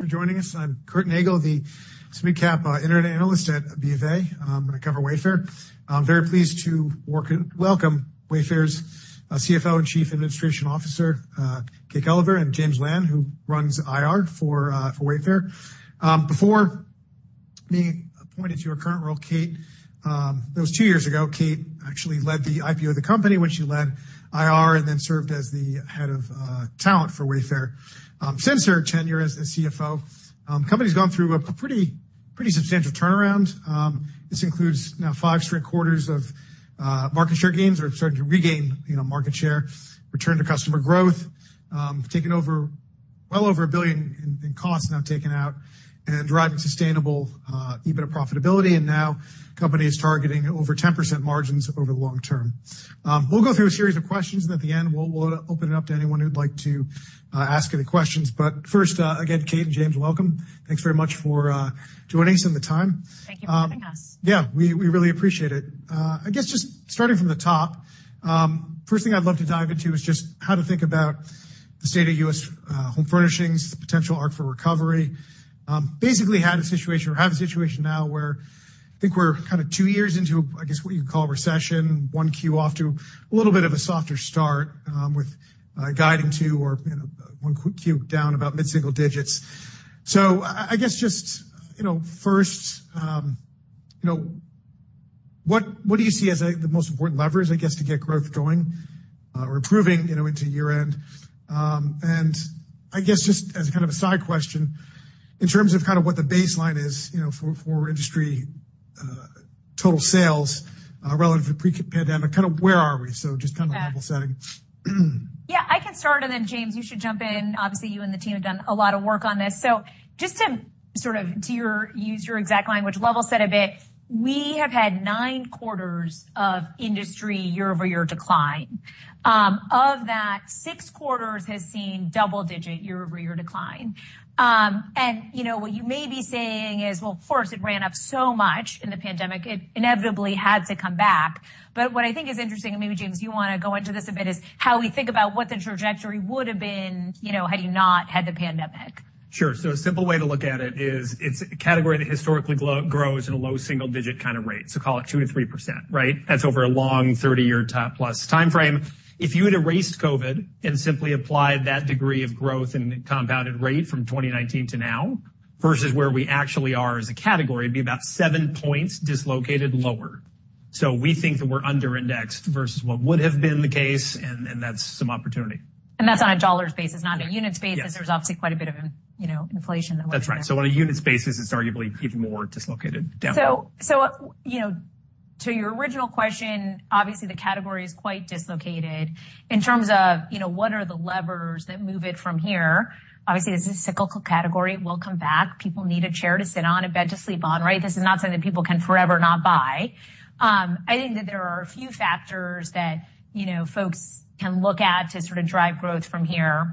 for joining us. I'm Curtis Nagle, the small/mid-cap Internet analyst at BofA. I'm going to cover Wayfair. I'm very pleased to welcome Wayfair's CFO and Chief Administrative Officer, Kate Gulliver, and James Lamb, who runs IR for Wayfair. Before being appointed to your current role, Kate, it was two years ago. Kate actually led the IPO of the company when she led IR and then served as the head of talent for Wayfair. Since her tenure as the CFO, the company's gone through a pretty substantial turnaround. This includes now five straight quarters of market share gains or starting to regain market share, return to customer growth, taking over well over $1 billion in costs now taken out, and driving sustainable EBITDA profitability. Now the company is targeting over 10% margins over the long term. We'll go through a series of questions, and at the end, we'll open it up to anyone who'd like to ask any questions. But first, again, Kate and James, welcome. Thanks very much for joining us and the time. Thank you for having us. Yeah, we really appreciate it. I guess just starting from the top, the first thing I'd love to dive into is just how to think about the state of U.S. home furnishings, the potential arc for recovery. Basically, we had a situation or have a situation now where I think we're kind of two years into, I guess, what you could call a recession, Q1 off to a little bit of a softer start with a guiding Q1 or Q1 down about mid-single digits. So I guess just first, what do you see as the most important levers, I guess, to get growth going or improving into year-end? And I guess just as a kind of a side question, in terms of kind of what the baseline is for industry total sales relative to pre-pandemic, kind of where are we? So just kind of level setting. Yeah, I can start, and then James, you should jump in. Obviously, you and the team have done a lot of work on this. So just to sort of use your exact language, level set a bit, we have had nine quarters of industry year-over-year decline. Of that, six quarters has seen double-digit year-over-year decline. And what you may be saying is, well, of course, it ran up so much in the pandemic. It inevitably had to come back. But what I think is interesting, and maybe, James, you want to go into this a bit, is how we think about what the trajectory would have been had you not had the pandemic. Sure. So a simple way to look at it is it's a category that historically grows at a low single-digit kind of rate. So call it 2%-3%, right? That's over a long 30-year-plus timeframe. If you had erased COVID and simply applied that degree of growth and compounded rate from 2019 to now versus where we actually are as a category, it'd be about seven points dislocated lower. So we think that we're underindexed versus what would have been the case, and that's some opportunity. That's on a dollars basis, not a units basis. There's obviously quite a bit of inflation that we're dealing with. That's right. On a units basis, it's arguably even more dislocated down. To your original question, obviously, the category is quite dislocated. In terms of what are the levers that move it from here? Obviously, this is a cyclical category. It will come back. People need a chair to sit on, a bed to sleep on, right? This is not something that people can forever not buy. I think that there are a few factors that folks can look at to sort of drive growth from here.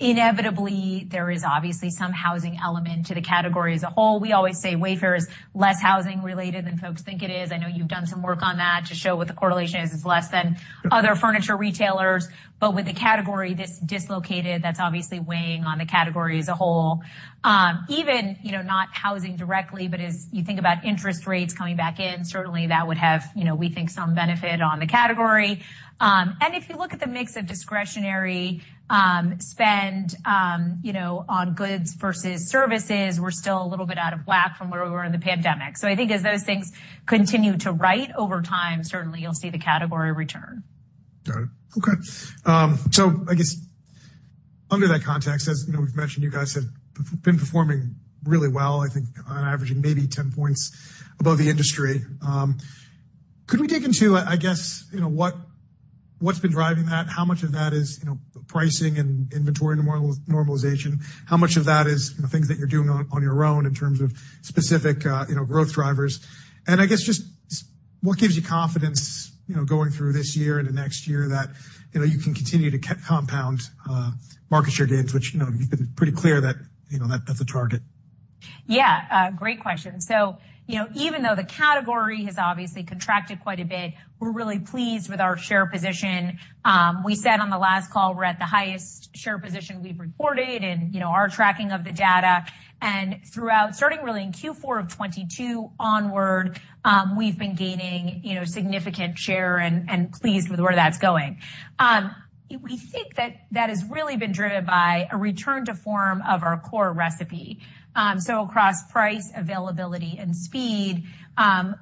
Inevitably, there is obviously some housing element to the category as a whole. We always say Wayfair is less housing-related than folks think it is. I know you've done some work on that to show what the correlation is. It's less than other furniture retailers. But with the category this dislocated, that's obviously weighing on the category as a whole. Even not housing directly, but as you think about interest rates coming back in, certainly, that would have, we think, some benefit on the category. If you look at the mix of discretionary spend on goods versus services, we're still a little bit out of whack from where we were in the pandemic. I think as those things continue to right over time, certainly, you'll see the category return. Got it. Okay. So I guess under that context, as we've mentioned, you guys have been performing really well, I think, on averaging maybe 10 points above the industry. Could we dig into, I guess, what's been driving that? How much of that is pricing and inventory normalization? How much of that is things that you're doing on your own in terms of specific growth drivers? And I guess just what gives you confidence going through this year into next year that you can continue to compound market share gains, which you've been pretty clear that that's a target? Yeah, great question. So even though the category has obviously contracted quite a bit, we're really pleased with our share position. We said on the last call we're at the highest share position we've reported in our tracking of the data. And throughout, starting really in Q4 of 2022 onward, we've been gaining significant share and pleased with where that's going. We think that that has really been driven by a return to form of our core recipe. So across price, availability, and speed,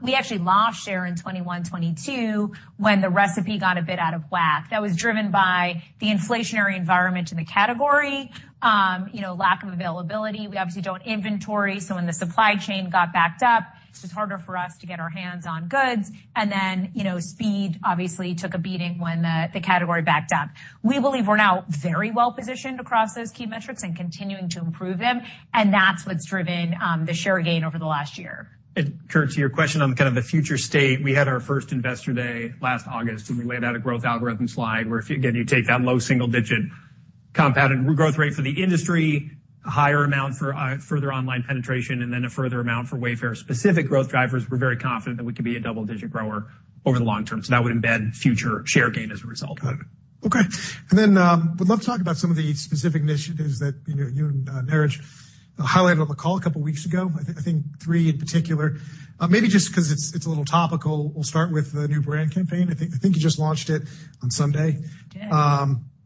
we actually lost share in 2021, 2022 when the recipe got a bit out of whack. That was driven by the inflationary environment in the category, lack of availability. We obviously don't inventory. So when the supply chain got backed up, it's just harder for us to get our hands on goods. And then speed, obviously, took a beating when the category backed up. We believe we're now very well positioned across those key metrics and continuing to improve them. That's what's driven the share gain over the last year. Curt, to your question on kind of the future state, we had our first investor day last August, and we laid out a growth algorithm slide where, again, you take that low single-digit compounded growth rate for the industry, a higher amount for further online penetration, and then a further amount for Wayfair-specific growth drivers. We're very confident that we could be a double-digit grower over the long term. So that would embed future share gain as a result. Got it. Okay. And then we'd love to talk about some of the specific initiatives that you and Niraj highlighted on the call a couple of weeks ago, I think three in particular. Maybe just because it's a little topical, we'll start with the new brand campaign. I think you just launched it on Sunday,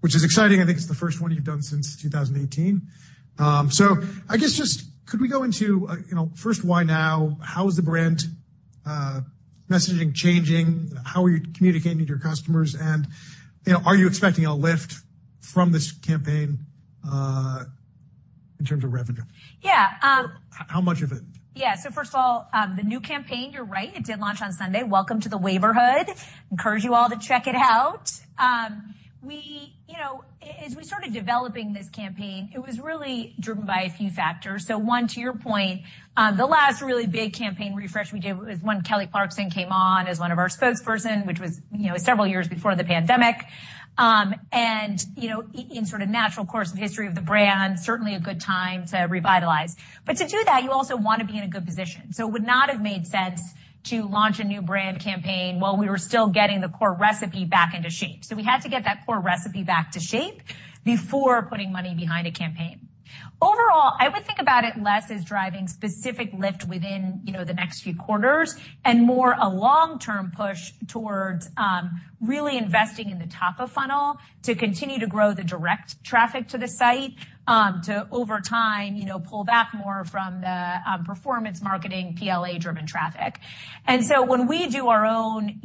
which is exciting. I think it's the first one you've done since 2018. So I guess just could we go into first, why now? How is the brand messaging changing? How are you communicating to your customers? And are you expecting a lift from this campaign in terms of revenue? Yeah. How much of it? Yeah. So first of all, the new campaign, you're right. It did launch on Sunday. Welcome to the Wayfairhood. Encourage you all to check it out. As we started developing this campaign, it was really driven by a few factors. So one, to your point, the last really big campaign refresh we did was when Kelly Clarkson came on as one of our spokespersons, which was several years before the pandemic. And in sort of natural course of history of the brand, certainly a good time to revitalize. But to do that, you also want to be in a good position. So it would not have made sense to launch a new brand campaign while we were still getting the core recipe back into shape. So we had to get that core recipe back to shape before putting money behind a campaign. Overall, I would think about it less as driving specific lift within the next few quarters and more a long-term push towards really investing in the top of funnel to continue to grow the direct traffic to the site to, over time, pull back more from the performance marketing, PLA-driven traffic. And so when we do our own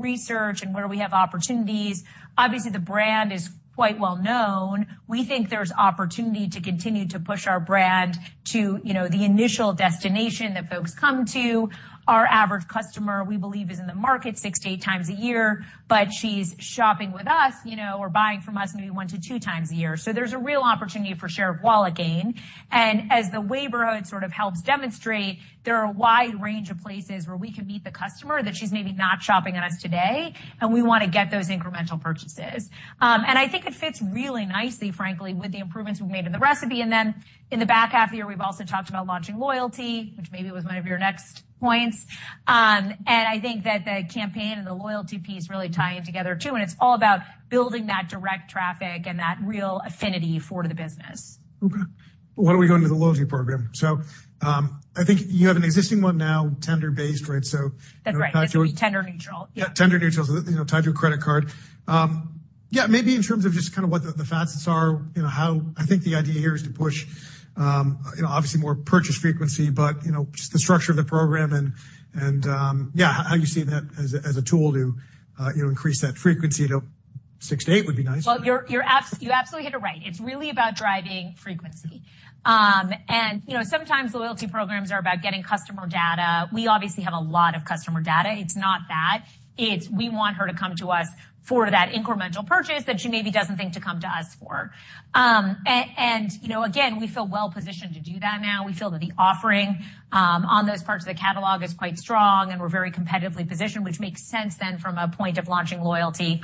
research and where we have opportunities, obviously, the brand is quite well known. We think there's opportunity to continue to push our brand to the initial destination that folks come to. Our average customer, we believe, is in the market 6-8x a year, but she's shopping with us or buying from us maybe 1-2x a year. So there's a real opportunity for share of wallet gain. As the Wayfairhood sort of helps demonstrate, there are a wide range of places where we can meet the customer that she's maybe not shopping at us today, and we want to get those incremental purchases. I think it fits really nicely, frankly, with the improvements we've made in the recipe. Then in the back half of the year, we've also talked about launching loyalty, which maybe was one of your next points. I think that the campaign and the loyalty piece really tie in together too. It's all about building that direct traffic and that real affinity for the business. Okay. Well, why don't we go into the loyalty program? So I think you have an existing one now, tender-based, right? So tied to. That's right. It's going to be tender-neutral. Yeah, tender-neutral. So tied to a credit card. Yeah, maybe in terms of just kind of what the facets are, how I think the idea here is to push, obviously, more purchase frequency, but just the structure of the program and, yeah, how you see that as a tool to increase that frequency. 6-8 would be nice. Well, you absolutely hit it right. It's really about driving frequency. And sometimes loyalty programs are about getting customer data. We obviously have a lot of customer data. It's not that. It's we want her to come to us for that incremental purchase that she maybe doesn't think to come to us for. And again, we feel well positioned to do that now. We feel that the offering on those parts of the catalog is quite strong, and we're very competitively positioned, which makes sense then from a point of launching loyalty.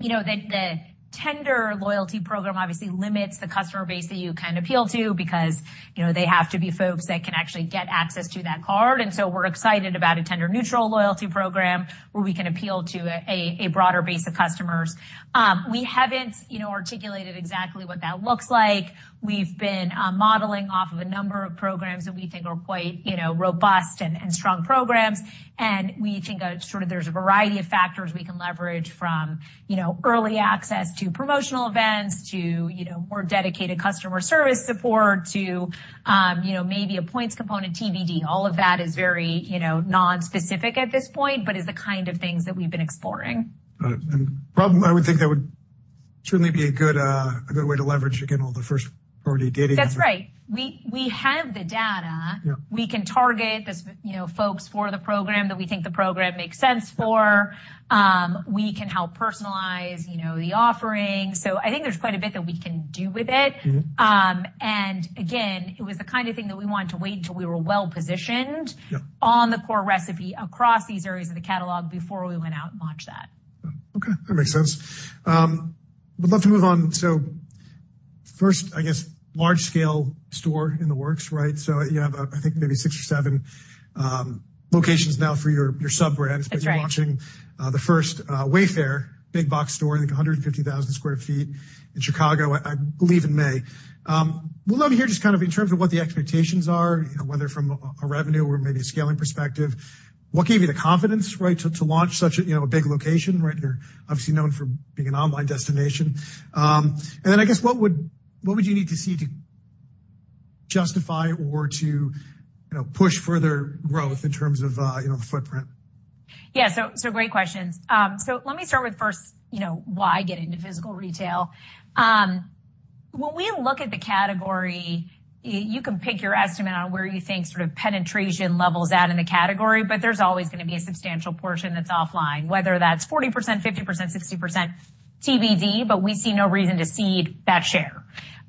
The tender loyalty program obviously limits the customer base that you can appeal to because they have to be folks that can actually get access to that card. And so we're excited about a tender-neutral loyalty program where we can appeal to a broader base of customers. We haven't articulated exactly what that looks like. We've been modeling off of a number of programs that we think are quite robust and strong programs. We think sort of there's a variety of factors we can leverage from early access to promotional events to more dedicated customer service support to maybe a points component, TBD. All of that is very nonspecific at this point but is the kind of things that we've been exploring. Got it. I would think that would certainly be a good way to leverage, again, all the first-party data you have. That's right. We have the data. We can target folks for the program that we think the program makes sense for. We can help personalize the offering. So I think there's quite a bit that we can do with it. And again, it was the kind of thing that we wanted to wait until we were well positioned on the core recipe across these areas of the catalog before we went out and launched that. Okay. That makes sense. We'd love to move on. So first, I guess, large-scale store in the works, right? So you have, I guess, maybe six or seven locations now for your sub-brands. But you're launching the first Wayfair big-box store, I think, 150,000 sq ft in Chicago, I believe, in May. We'd love to hear just kind of in terms of what the expectations are, whether from a revenue or maybe a scaling perspective. What gave you the confidence, right, to launch such a big location, right? You're obviously known for being an online destination. And then I guess what would you need to see to justify or to push further growth in terms of the footprint? Yeah. So great questions. So let me start with first, why get into physical retail? When we look at the category, you can pick your estimate on where you think sort of penetration levels at in the category. But there's always going to be a substantial portion that's offline, whether that's 40%, 50%, 60% TBD. But we see no reason to cede that share.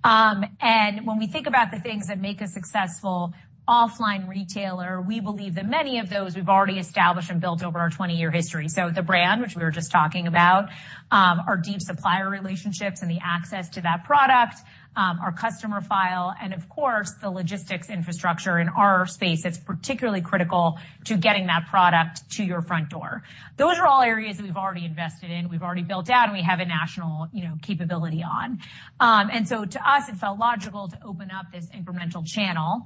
And when we think about the things that make a successful offline retailer, we believe that many of those we've already established and built over our 20-year history. So the brand, which we were just talking about, our deep supplier relationships and the access to that product, our customer file, and, of course, the logistics infrastructure in our space that's particularly critical to getting that product to your front door. Those are all areas that we've already invested in. We've already built out, and we have a national capability on. So to us, it felt logical to open up this incremental channel.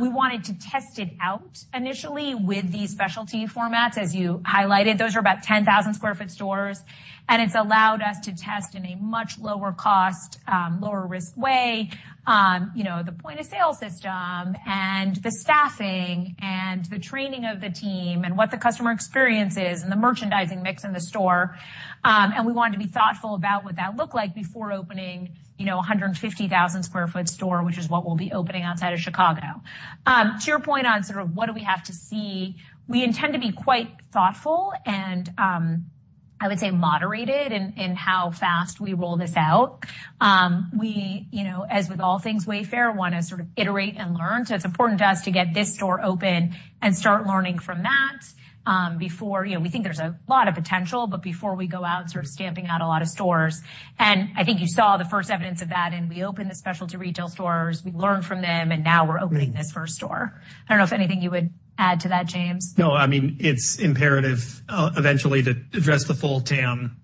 We wanted to test it out initially with these specialty formats, as you highlighted. Those are about 10,000 sq ft stores. And it's allowed us to test in a much lower cost, lower-risk way, the point-of-sale system and the staffing and the training of the team and what the customer experience is and the merchandising mix in the store. And we wanted to be thoughtful about what that looked like before opening a 150,000 sq ft store, which is what we'll be opening outside of Chicago. To your point on sort of what do we have to see, we intend to be quite thoughtful and, I would say, moderated in how fast we roll this out. We, as with all things Wayfair, want to sort of iterate and learn. So it's important to us to get this store open and start learning from that before. We think there's a lot of potential, but before we go out sort of stamping out a lot of stores. And I think you saw the first evidence of that. And we opened the specialty retail stores. We learned from them. And now we're opening this first store. I don't know if anything you would add to that, James. No. I mean, it's imperative eventually to address the full TAM.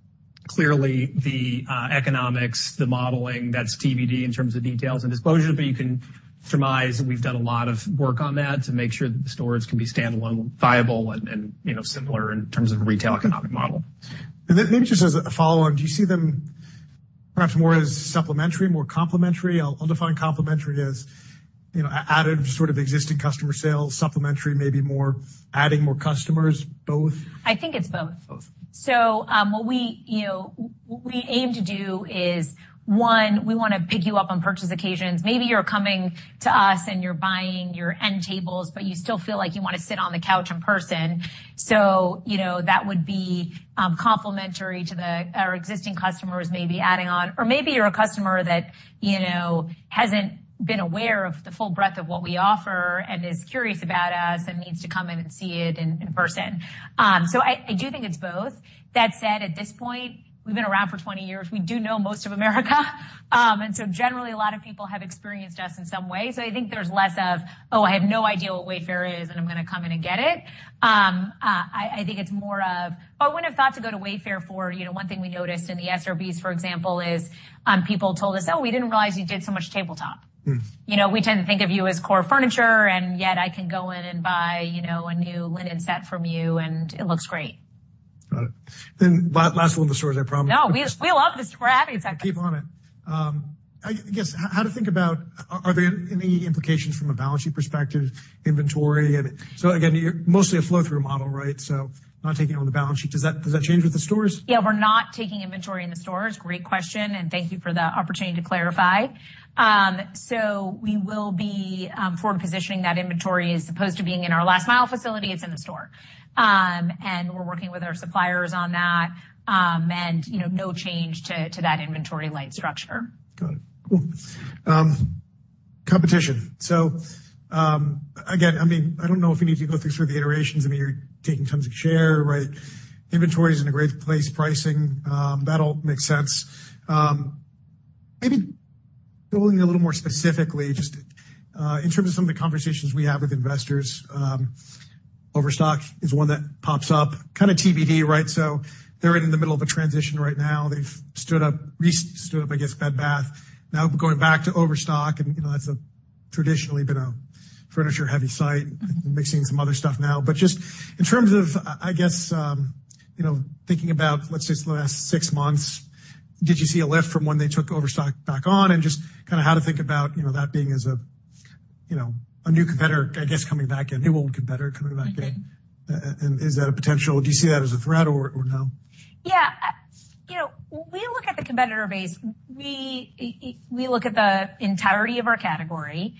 Clearly, the economics, the modeling, that's TBD in terms of details and disclosures. But you can surmise, and we've done a lot of work on that to make sure that the stores can be standalone, viable, and similar in terms of a retail economic model. Then maybe just as a follow-on, do you see them perhaps more as supplementary, more complementary? I'll define complementary as added sort of existing customer sales, supplementary maybe more adding more customers, both? I think it's both. So what we aim to do is, one, we want to pick you up on purchase occasions. Maybe you're coming to us, and you're buying your end tables, but you still feel like you want to sit on the couch in person. So that would be complementary to our existing customers, maybe adding on. Or maybe you're a customer that hasn't been aware of the full breadth of what we offer and is curious about us and needs to come in and see it in person. So I do think it's both. That said, at this point, we've been around for 20 years. We do know most of America. And so generally, a lot of people have experienced us in some way. So I think there's less of, "Oh, I have no idea what Wayfair is, and I'm going to come in and get it." I think it's more of, "Oh, I wouldn't have thought to go to Wayfair for" one thing we noticed in the SRBs, for example, is people told us, "Oh, we didn't realize you did so much tabletop." We tend to think of you as core furniture. And yet, I can go in and buy a new linen set from you, and it looks great. Got it. Then last one of the stores. I promised. No. We love this. We're happy to talk about it. Keep on it. I guess how to think about, are there any implications from a balance sheet perspective, inventory? So again, you're mostly a flow-through model, right? So not taking it on the balance sheet. Does that change with the stores? Yeah. We're not taking inventory in the stores. Great question. And thank you for the opportunity to clarify. So we will be forward-positioning that inventory. It's supposed to be in our last-mile facility. It's in the store. And we're working with our suppliers on that. And no change to that inventory light structure. Got it. Cool. Competition. So again, I mean, I don't know if we need to go through the iterations. I mean, you're taking tons of share, right? Inventory is in a great place. Pricing, that all makes sense. Maybe going a little more specifically, just in terms of some of the conversations we have with investors, Overstock is one that pops up, kind of TBD, right? So they're in the middle of a transition right now. They've stood up, I guess, Bed Bath. Now going back to Overstock, and that's traditionally been a furniture-heavy site. Mixing some other stuff now. But just in terms of, I guess, thinking about, let's say, it's the last six months, did you see a lift from when they took Overstock back on? Just kind of how to think about that being as a new competitor, I guess, coming back in, new old competitor coming back in. Is that a potential? Do you see that as a threat or no? Yeah. When we look at the competitor base, we look at the entirety of our category.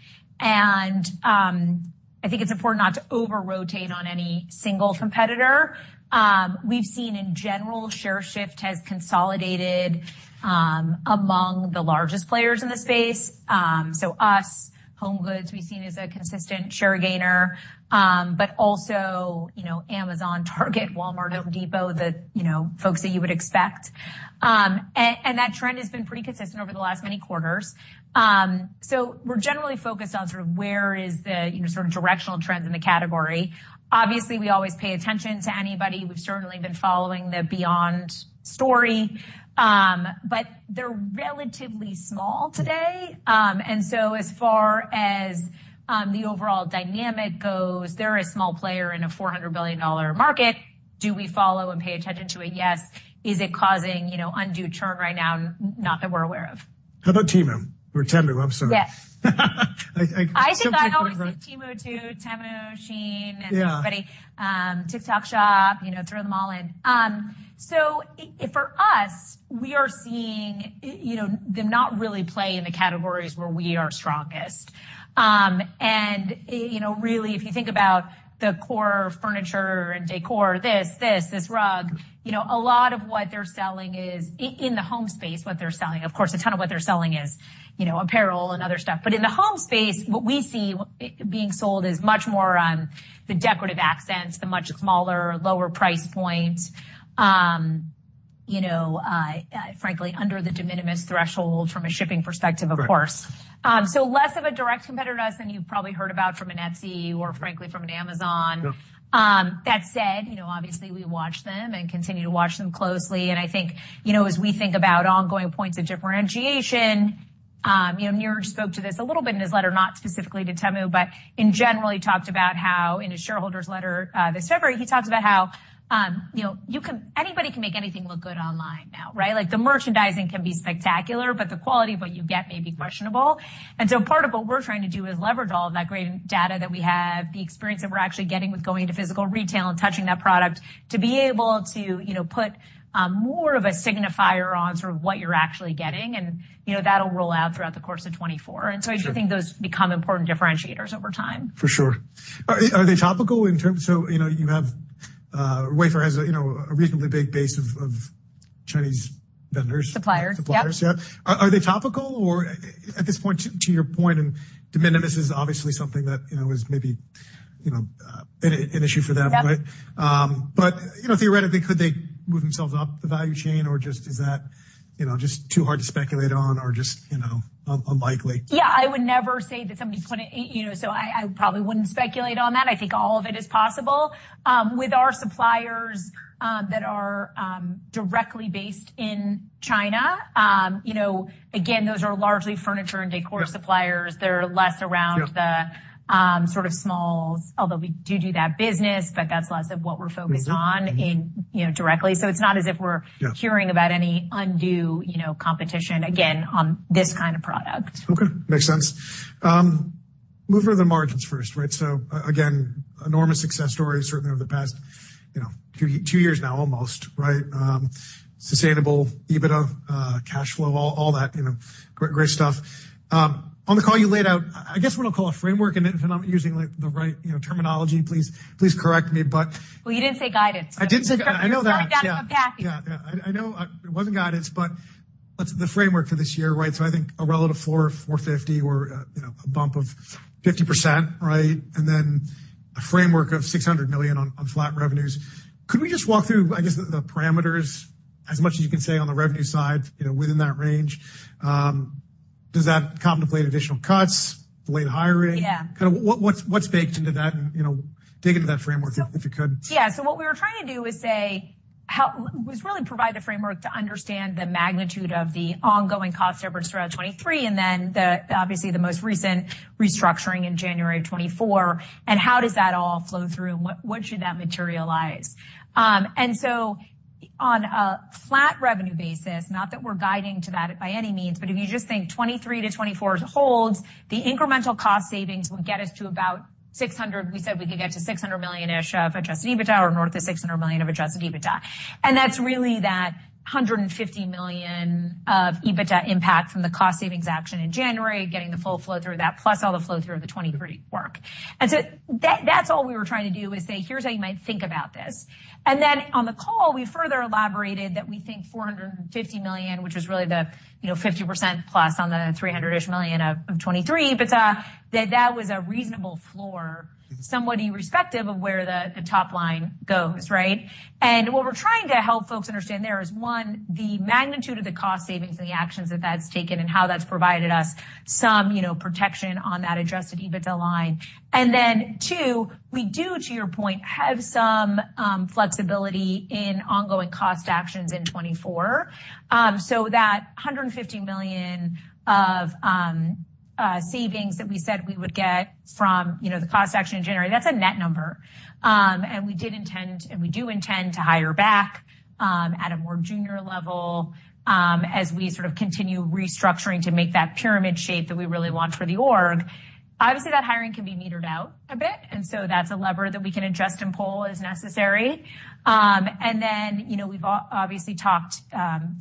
I think it's important not to over-rotate on any single competitor. We've seen, in general, share shift has consolidated among the largest players in the space. Us, HomeGoods, we've seen as a consistent share gainer. But also Amazon, Target, Walmart, Home Depot, the folks that you would expect. That trend has been pretty consistent over the last many quarters. We're generally focused on sort of where is the sort of directional trends in the category. Obviously, we always pay attention to anybody. We've certainly been following the Beyond story. But they're relatively small today. So as far as the overall dynamic goes, they're a small player in a $400 billion market. Do we follow and pay attention to it? Yes. Is it causing undue churn right now? Not that we're aware of. How about Temu or Temu? I'm sorry. Yes. I think I always see Temu too, Temu, Shein, and everybody, TikTok Shop, throw them all in. So for us, we are seeing them not really play in the categories where we are strongest. And really, if you think about the core furniture and décor, this, this, this rug, a lot of what they're selling is in the home space, what they're selling. Of course, a ton of what they're selling is apparel and other stuff. But in the home space, what we see being sold is much more the decorative accents, the much smaller, lower price point, frankly, under the de minimis threshold from a shipping perspective, of course. So less of a direct competitor to us than you've probably heard about from an Etsy or, frankly, from an Amazon. That said, obviously, we watch them and continue to watch them closely. I think as we think about ongoing points of differentiation, Niraj spoke to this a little bit in his letter, not specifically to Temu, but in general, he talked about how in his shareholders' letter this February, he talks about how anybody can make anything look good online now, right? The merchandising can be spectacular, but the quality of what you get may be questionable. And so part of what we're trying to do is leverage all of that great data that we have, the experience that we're actually getting with going into physical retail and touching that product to be able to put more of a signifier on sort of what you're actually getting. And that'll roll out throughout the course of 2024. And so I do think those become important differentiators over time. For sure. Are they topical in terms? So you have Wayfair has a reasonably big base of Chinese vendors. Suppliers. Suppliers. Yeah. Are they topical or at this point, to your point, and de minimis is obviously something that is maybe an issue for them, right? But theoretically, could they move themselves up the value chain, or just is that just too hard to speculate on or just unlikely? Yeah. I would never say that somebody's going to, so I probably wouldn't speculate on that. I think all of it is possible. With our suppliers that are directly based in China, again, those are largely furniture and décor suppliers. They're less around the sort of smalls, although we do do that business, but that's less of what we're focused on directly. So it's not as if we're hearing about any undue competition, again, on this kind of product. Okay. Makes sense. Move over to the margins first, right? So again, enormous success story, certainly over the past two years now, almost, right? Sustainable EBITDA, cash flow, all that great stuff. On the call you laid out, I guess what I'll call a framework, and if I'm using the right terminology, please correct me, but. Well, you didn't say guidance. I didn't say guidance. I know that. You're going down to mechanics. Yeah. Yeah. I know it wasn't guidance, but the framework for this year, right? So I think a relative floor of $450 million or a bump of 50%, right? And then a framework of $600 million on flat revenues. Could we just walk through, I guess, the parameters as much as you can say on the revenue side within that range? Does that contemplate additional cuts, delayed hiring? Kind of what's baked into that and dig into that framework if you could? Yeah. So what we were trying to do was really provide the framework to understand the magnitude of the ongoing cost savings throughout 2023 and then obviously the most recent restructuring in January of 2024. And how does that all flow through, and what should that materialize? So on a flat revenue basis, not that we're guiding to that by any means, but if you just think 2023 to 2024 holds, the incremental cost savings would get us to about $600 million we said we could get to $600 million-ish of Adjusted EBITDA or north of $600 million of Adjusted EBITDA. And that's really that $150 million of EBITDA impact from the cost savings action in January, getting the full flow through that, plus all the flow through of the 2023 work. So that's all we were trying to do was say, "Here's how you might think about this." And then on the call, we further elaborated that we think $450 million, which is really the 50%+ on the 300-ish million of 2023, but that was a reasonable floor, somewhat irrespective of where the top line goes, right? And what we're trying to help folks understand there is, one, the magnitude of the cost savings and the actions that that's taken and how that's provided us some protection on that Adjusted EBITDA line. And then two, we do, to your point, have some flexibility in ongoing cost actions in 2024. So that $150 million of savings that we said we would get from the cost action in January, that's a net number. We did intend and we do intend to hire back at a more junior level as we sort of continue restructuring to make that pyramid shape that we really want for the org. Obviously, that hiring can be metered out a bit. So that's a lever that we can adjust and pull as necessary. Then we've obviously talked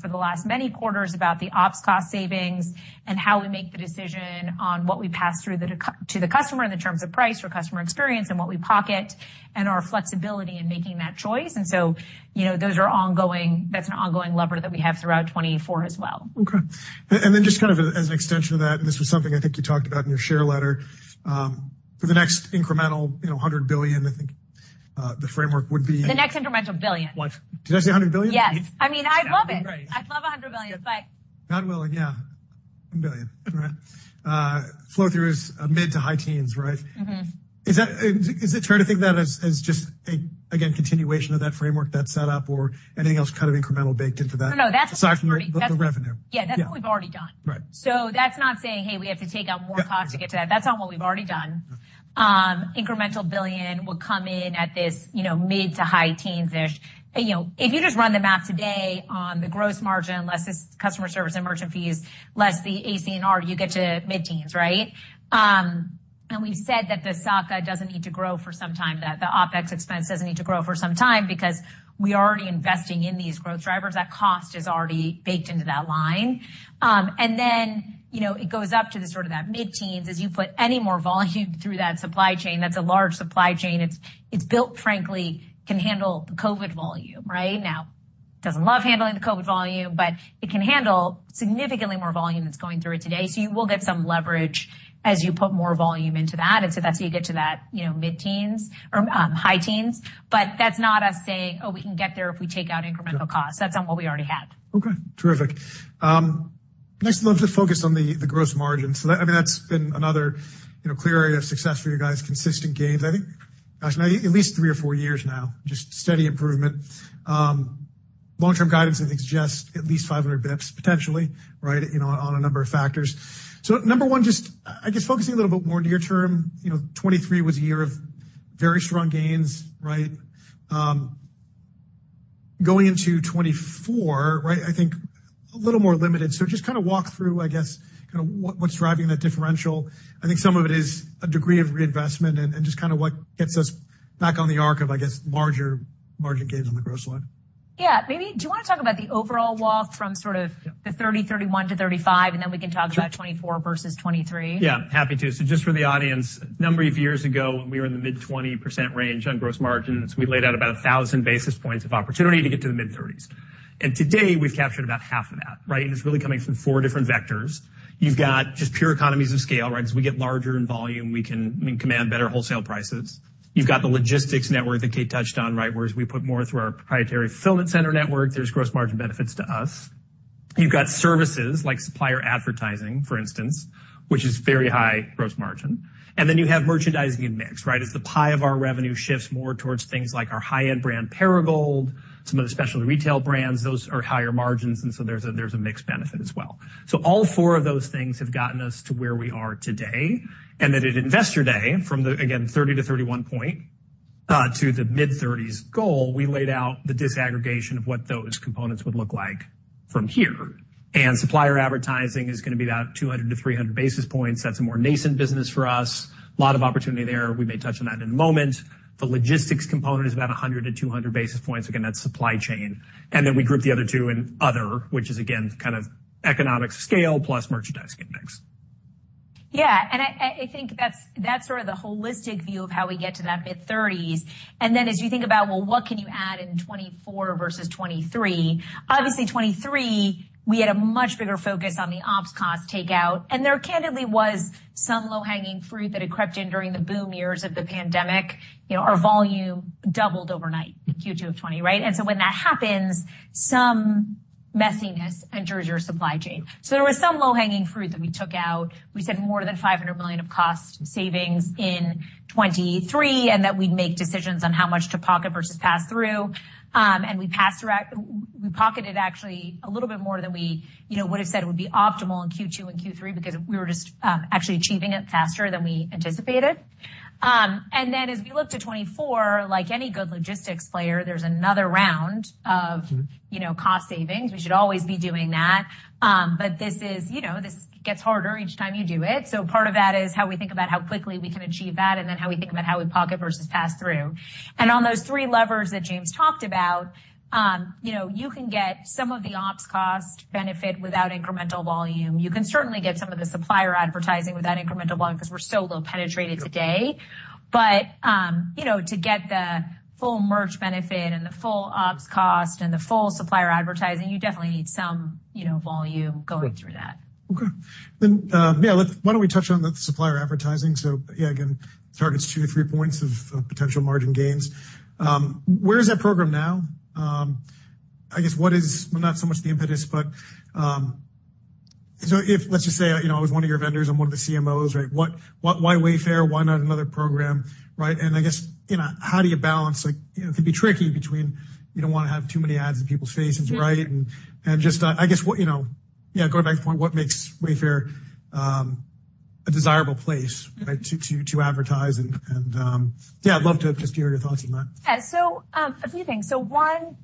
for the last many quarters about the ops cost savings and how we make the decision on what we pass through to the customer in terms of price or customer experience and what we pocket and our flexibility in making that choice. So those are ongoing; that's an ongoing lever that we have throughout 2024 as well. Okay. And then just kind of as an extension of that, and this was something I think you talked about in your share letter, for the next incremental $100 billion, I think the framework would be. The next incremental $1 billion. Did I say $100 billion? Yes. I mean, I love it. I'd love $100 billion, but. Not willing. Yeah. $1 billion, right? Flow-through is mid- to high-teens %, right? Is it fair to think that as just, again, continuation of that framework that's set up or anything else kind of incremental baked into that aside from the revenue? Yeah. That's what we've already done. So that's not saying, "Hey, we have to take out more cost to get to that." That's not what we've already done. Incremental $1 billion will come in at this mid- to high teens-ish. If you just run the math today on the gross margin, less this customer service and merchant fees, less the ACR, you get to mid-teens, right? And we've said that the S&A doesn't need to grow for some time, that the OpEx expense doesn't need to grow for some time because we are already investing in these growth drivers. That cost is already baked into that line. And then it goes up to sort of that mid-teens. As you put any more volume through that supply chain, that's a large supply chain. It's built, frankly, can handle the COVID volume, right? Now, it doesn't love handling the COVID volume, but it can handle significantly more volume that's going through it today. So you will get some leverage as you put more volume into that. And so that's how you get to that mid-teens or high teens. But that's not us saying, "Oh, we can get there if we take out incremental costs." That's not what we already have. Okay. Terrific. Next, I'd love to focus on the gross margin. So I mean, that's been another clear area of success for you guys, consistent gains, I think, gosh, now at least three or four years now, just steady improvement. Long-term guidance, I think, suggests at least 500 basis points potentially, right, on a number of factors. So number one, just I guess focusing a little bit more near term, 2023 was a year of very strong gains, right? Going into 2024, right, I think a little more limited. So just kind of walk through, I guess, kind of what's driving that differential. I think some of it is a degree of reinvestment and just kind of what gets us back on the arc of, I guess, larger margin gains on the gross line. Yeah. Maybe do you want to talk about the overall walk from sort of the 2030, 2031 to 2035, and then we can talk about 2024 versus 2023? Yeah. Happy to. So just for the audience, a number of years ago, when we were in the mid-20% range on gross margins, we laid out about 1,000 basis points of opportunity to get to the mid-30s. And today, we've captured about half of that, right? And it's really coming from four different vectors. You've got just pure economies of scale, right? As we get larger in volume, we can command better wholesale prices. You've got the logistics network that Kate touched on, right, whereas we put more through our proprietary fulfillment center network. There's gross margin benefits to us. You've got services like supplier advertising, for instance, which is very high gross margin. And then you have merchandising and mix, right? As the pie of our revenue shifts more towards things like our high-end brand Perigold, some of the specialty retail brands, those are higher margins. And so there's a mixed benefit as well. So all four of those things have gotten us to where we are today. And at Investor Day, from the, again, 30%-31% to the mid-30s goal, we laid out the disaggregation of what those components would look like from here. And supplier advertising is going to be about 200-300 basis points. That's a more nascent business for us. A lot of opportunity there. We may touch on that in a moment. The logistics component is about 100-200 basis points. Again, that's supply chain. And then we grouped the other two in other, which is, again, kind of economics of scale plus merchandising index. Yeah. And I think that's sort of the holistic view of how we get to that mid-30s. And then as you think about, well, what can you add in 2024 versus 2023, obviously, 2023, we had a much bigger focus on the ops cost takeout. And there candidly was some low-hanging fruit that had crept in during the boom years of the pandemic. Our volume doubled overnight in Q2 of 2020, right? And so when that happens, some messiness enters your supply chain. So there was some low-hanging fruit that we took out. We said more than $500 million of cost savings in 2023 and that we'd make decisions on how much to pocket versus pass through. We passed around we pocketed actually a little bit more than we would have said would be optimal in Q2 and Q3 because we were just actually achieving it faster than we anticipated. And then as we looked at 2024, like any good logistics player, there's another round of cost savings. We should always be doing that. But this gets harder each time you do it. So part of that is how we think about how quickly we can achieve that and then how we think about how we pocket versus pass through. And on those three levers that James talked about, you can get some of the ops cost benefit without incremental volume. You can certainly get some of the supplier advertising without incremental volume because we're so low penetrated today. But to get the full merch benefit and the full ops cost and the full supplier advertising, you definitely need some volume going through that. Okay. Then, yeah, why don't we touch on the supplier advertising? So yeah, again, targets 2-3 points of potential margin gains. Where is that program now? I guess what is not so much the impetus, but so if let's just say I was one of your vendors and one of the CMOs, right, why Wayfair? Why not another program, right? And I guess how do you balance it can be tricky between you don't want to have too many ads in people's faces, right? And just I guess, yeah, going back to the point, what makes Wayfair a desirable place, right, to advertise? And yeah, I'd love to just hear your thoughts on that. Yeah. So a few things. So one,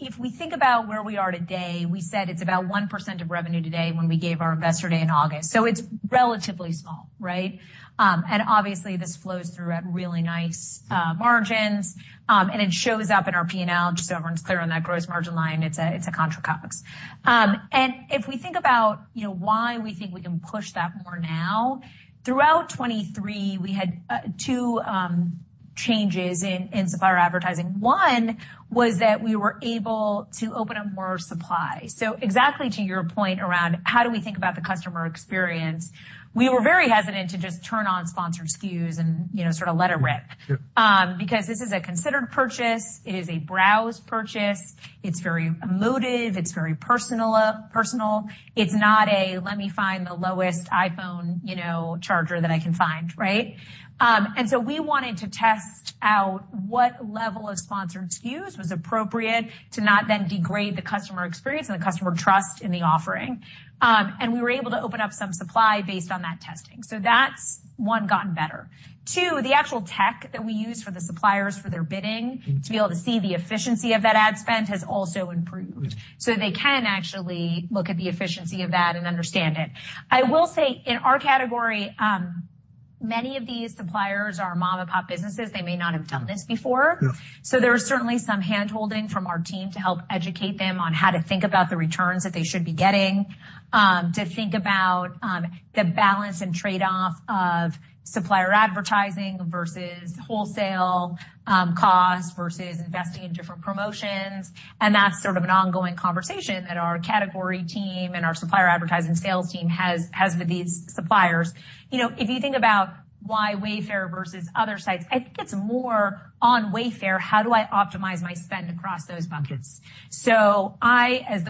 if we think about where we are today, we said it's about 1% of revenue today when we gave our investor day in August. So it's relatively small, right? And obviously, this flows through at really nice margins. And it shows up in our P&L. Just so everyone's clear on that gross margin line, it's a contra revenue. And if we think about why we think we can push that more now, throughout 2023, we had two changes in supplier advertising. One was that we were able to open up more supply. So exactly to your point around how do we think about the customer experience, we were very hesitant to just turn on Sponsored SKUs and sort of let it rip because this is a considered purchase. It is a browsed purchase. It's very emotive. It's very personal. It's not a, "Let me find the lowest iPhone charger that I can find," right? And so we wanted to test out what level of Sponsored SKUs was appropriate to not then degrade the customer experience and the customer trust in the offering. And we were able to open up some supply based on that testing. So that's, one, gotten better. Two, the actual tech that we use for the suppliers for their bidding to be able to see the efficiency of that ad spend has also improved. So they can actually look at the efficiency of that and understand it. I will say in our category, many of these suppliers are mom-and-pop businesses. They may not have done this before. So there was certainly some handholding from our team to help educate them on how to think about the returns that they should be getting, to think about the balance and trade-off of supplier advertising versus wholesale cost versus investing in different promotions. That's sort of an ongoing conversation that our category team and our supplier advertising sales team has with these suppliers. If you think about why Wayfair versus other sites, I think it's more on Wayfair, how do I optimize my spend across those buckets? As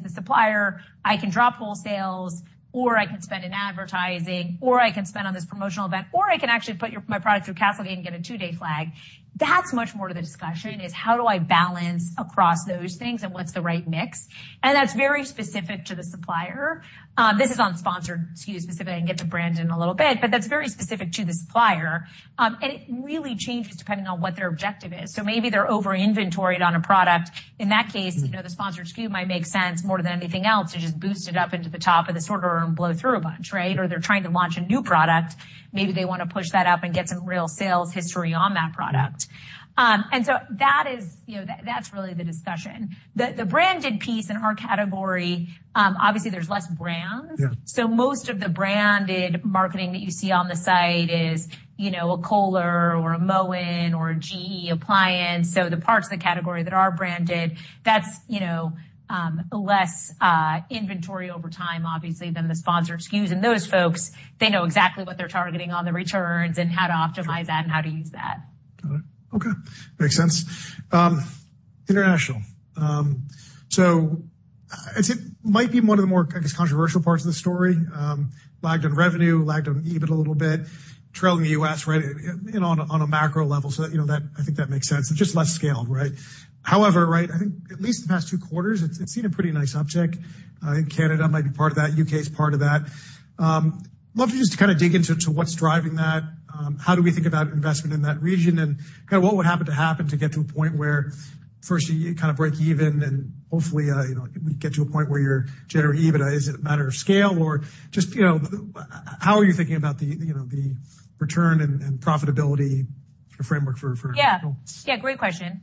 the supplier, I can drop wholesales, or I can spend in advertising, or I can spend on this promotional event, or I can actually put my product through CastleGate and get a two-day flag. That's much more to the discussion is how do I balance across those things and what's the right mix? That's very specific to the supplier. This is on Sponsored SKUs specifically. I can get the brand in a little bit, but that's very specific to the supplier. It really changes depending on what their objective is. So maybe they're over-inventoried on a product. In that case, the Sponsored SKU might make sense more than anything else to just boost it up into the top of the sorter and blow through a bunch, right? Or they're trying to launch a new product. Maybe they want to push that up and get some real sales history on that product. So that's really the discussion. The branded piece in our category, obviously, there's less brands. So most of the branded marketing that you see on the site is a Kohler or a Moen or a GE appliance. The parts of the category that are branded, that's less inventory over time, obviously, than the Sponsored SKUs. Those folks, they know exactly what they're targeting on the returns and how to optimize that and how to use that. Got it. Okay. Makes sense. International. So it might be one of the more, I guess, controversial parts of the story, lagged on revenue, lagged on EBIT a little bit, trailing the U.S., right, on a macro level. So I think that makes sense. And just less scaled, right? However, right, I think at least the past two quarters, it's seen a pretty nice uptick. I think Canada might be part of that. U.K. is part of that. Love to just kind of dig into what's driving that. How do we think about investment in that region and kind of what would have to happen to get to a point where first, you kind of break even and hopefully, we get to a point where you're generating EBITDA? Is it a matter of scale or just how are you thinking about the return and profitability framework for? Yeah. Yeah. Great question.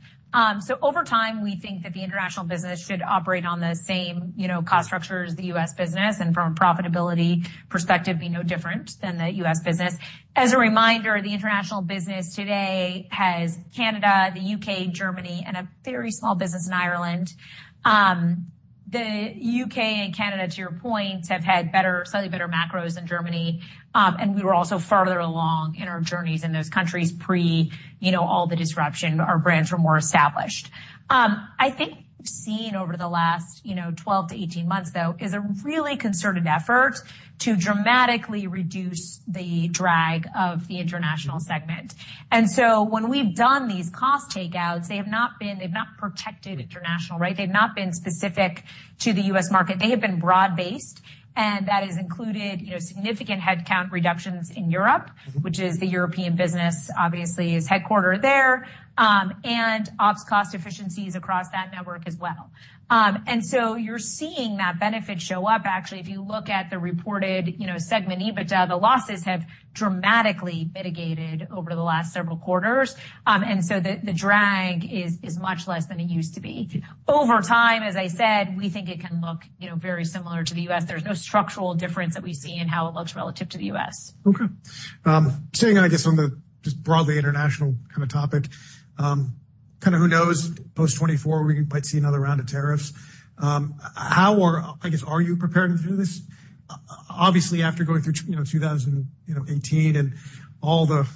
So over time, we think that the international business should operate on the same cost structures as the U.S. business and from a profitability perspective, be no different than the U.S. business. As a reminder, the international business today has Canada, the U.K., Germany, and a very small business in Ireland. The U.K. and Canada, to your point, have had slightly better macros than Germany. And we were also farther along in our journeys in those countries pre all the disruption. Our brands were more established. I think we've seen over the last 12-18 months, though, is a really concerted effort to dramatically reduce the drag of the international segment. And so when we've done these cost takeouts, they have not been specific to the U.S. market. They have been broad-based. And that has included significant headcount reductions in Europe, which is the European business, obviously, is headquartered there, and ops cost efficiencies across that network as well. And so you're seeing that benefit show up, actually. If you look at the reported segment EBITDA, the losses have dramatically mitigated over the last several quarters. And so the drag is much less than it used to be. Over time, as I said, we think it can look very similar to the U.S. There's no structural difference that we see in how it looks relative to the U.S. Okay. Staying, I guess, on the just broadly international kind of topic, kind of who knows, post 2024, we might see another round of tariffs. How, I guess, are you preparing to do this? Obviously, after going through 2018 and all the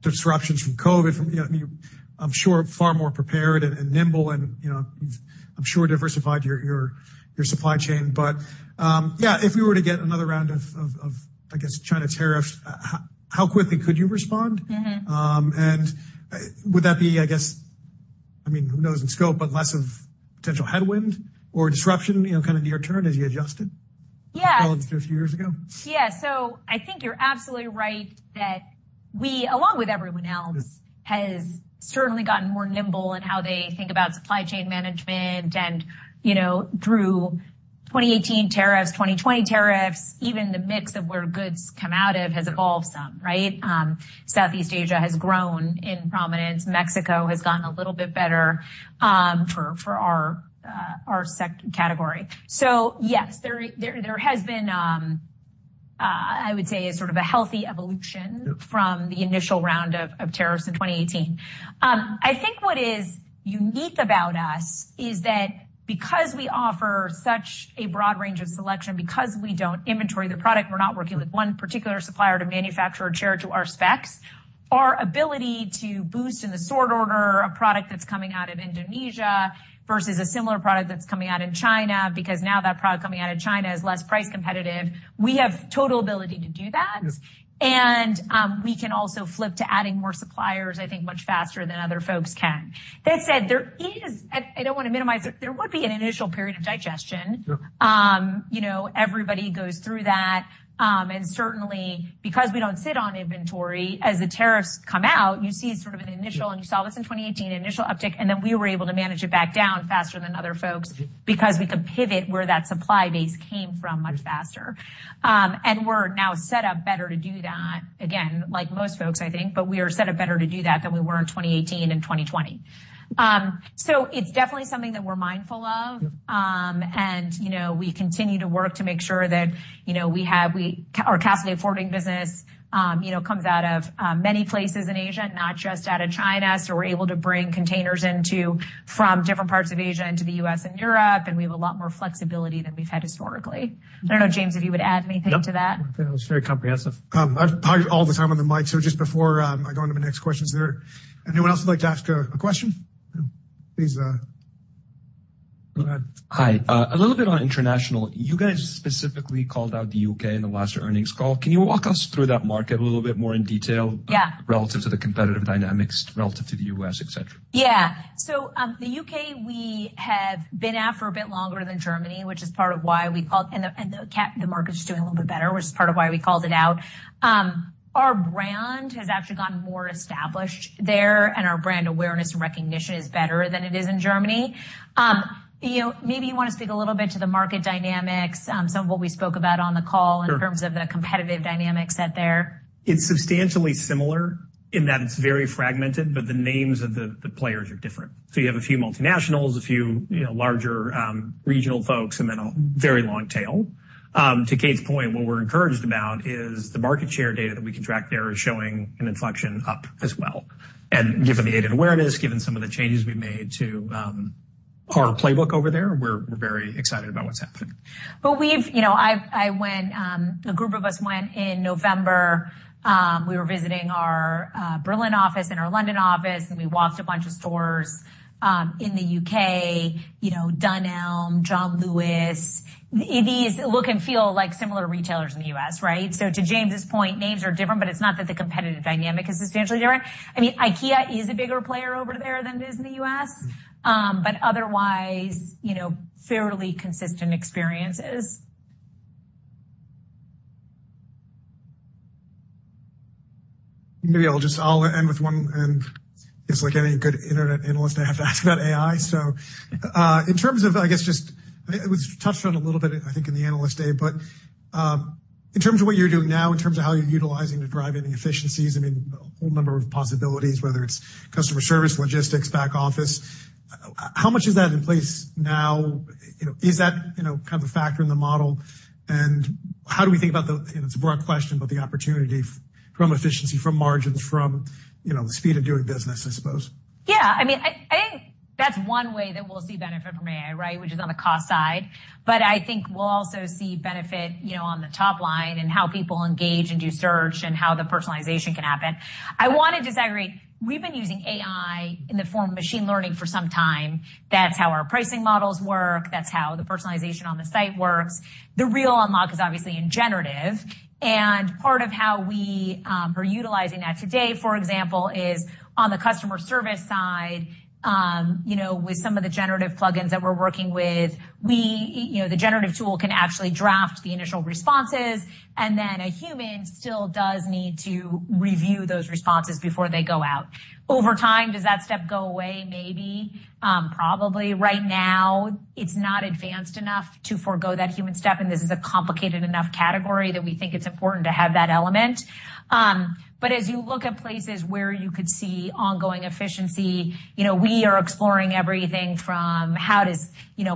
disruptions from COVID, I mean, I'm sure far more prepared and nimble. And I'm sure diversified your supply chain. But yeah, if we were to get another round of, I guess, China tariffs, how quickly could you respond? And would that be, I guess I mean, who knows in scope, but less of potential headwind or disruption kind of near-term as you adjusted relative to a few years ago? Yeah. So I think you're absolutely right that we, along with everyone else, have certainly gotten more nimble in how they think about supply chain management. And through 2018 tariffs, 2020 tariffs, even the mix of where goods come out of has evolved some, right? Southeast Asia has grown in prominence. Mexico has gotten a little bit better for our category. So yes, there has been, I would say, sort of a healthy evolution from the initial round of tariffs in 2018. I think what is unique about us is that because we offer such a broad range of selection, because we don't inventory the product, we're not working with one particular supplier to manufacture a chair to our specs, our ability to boost in the sort order a product that's coming out of Indonesia versus a similar product that's coming out in China because now that product coming out of China is less price competitive, we have total ability to do that. And we can also flip to adding more suppliers, I think, much faster than other folks can. That said, there is. I don't want to minimize it. There would be an initial period of digestion. Everybody goes through that. And certainly, because we don't sit on inventory, as the tariffs come out, you see sort of an initial, and you saw this in 2018, initial uptick. And then we were able to manage it back down faster than other folks because we could pivot where that supply base came from much faster. And we're now set up better to do that, again, like most folks, I think, but we are set up better to do that than we were in 2018 and 2020. So it's definitely something that we're mindful of. And we continue to work to make sure that we have our CastleGate forwarding business comes out of many places in Asia, not just out of China. So we're able to bring containers from different parts of Asia into the U.S. and Europe. And we have a lot more flexibility than we've had historically. I don't know, James, if you would add anything to that. Nope. I think that was very comprehensive. I apologize all the time on the mic. So just before I go into my next questions there, anyone else who'd like to ask a question? Please go ahead. Hi. A little bit on international. You guys specifically called out the U.K. in the last earnings call. Can you walk us through that market a little bit more in detail relative to the competitive dynamics, relative to the U.S., etc.? Yeah. So the U.K., we have been at for a bit longer than Germany, which is part of why we called and the market's doing a little bit better, which is part of why we called it out. Our brand has actually gotten more established there. Our brand awareness and recognition is better than it is in Germany. Maybe you want to speak a little bit to the market dynamics, some of what we spoke about on the call in terms of the competitive dynamics out there. It's substantially similar in that it's very fragmented, but the names of the players are different. So you have a few multinationals, a few larger regional folks, and then a very long tail. To Kate's point, what we're encouraged about is the market share data that we can track there is showing an inflection up as well. Given the aid and awareness, given some of the changes we've made to our playbook over there, we're very excited about what's happening. A group of us went in November. We were visiting our Berlin office and our London office. We walked a bunch of stores in the U.K., Dunelm, John Lewis. These look and feel like similar retailers in the U.S., right? To James's point, names are different, but it's not that the competitive dynamic is substantially different. I mean, IKEA is a bigger player over there than it is in the U.S., but otherwise, fairly consistent experiences. Maybe I'll just end with one and just like any good internet analyst, I have to ask about AI. So in terms of, I guess, just I mean, it was touched on a little bit, I think, in the analyst day, but in terms of what you're doing now, in terms of how you're utilizing to drive any efficiencies, I mean, a whole number of possibilities, whether it's customer service, logistics, back office, how much is that in place now? Is that kind of a factor in the model? And how do we think about the, it's a broad question, but the opportunity from efficiency, from margins, from the speed of doing business, I suppose? Yeah. I mean, I think that's one way that we'll see benefit from AI, right, which is on the cost side. But I think we'll also see benefit on the top line and how people engage and do search and how the personalization can happen. I want to disagree. We've been using AI in the form of machine learning for some time. That's how our pricing models work. That's how the personalization on the site works. The real unlock is obviously in generative. And part of how we are utilizing that today, for example, is on the customer service side with some of the generative plugins that we're working with, the generative tool can actually draft the initial responses. And then a human still does need to review those responses before they go out. Over time, does that step go away? Maybe. Probably. Right now, it's not advanced enough to forgo that human step. This is a complicated enough category that we think it's important to have that element. As you look at places where you could see ongoing efficiency, we are exploring everything from how does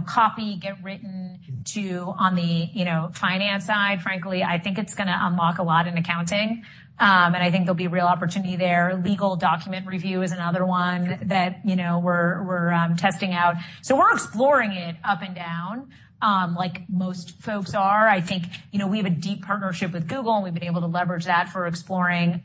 copy get written to on the finance side, frankly, I think it's going to unlock a lot in accounting. I think there'll be real opportunity there. Legal document review is another one that we're testing out. We're exploring it up and down like most folks are. I think we have a deep partnership with Google. We've been able to leverage that for exploring,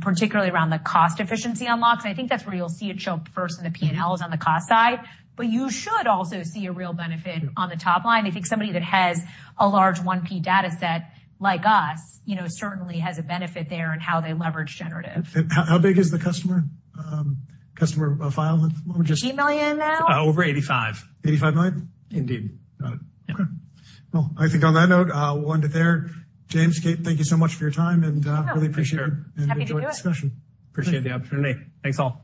particularly around the cost efficiency unlocks. I think that's where you'll see it show up first in the P&Ls on the cost side. You should also see a real benefit on the top line. I think somebody that has a large 1P dataset like us certainly has a benefit there in how they leverage generative. How big is the customer file length? Let me just. $8 million now? Over $85 million? Indeed. Got it. Okay. Well, I think on that note, we'll end it there. James, Kate, thank you so much for your time. And really appreciate your joining the discussion. Happy to do it. Appreciate the opportunity. Thanks all.